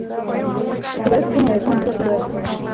utugari tumwe two mu mujyi wa Kigali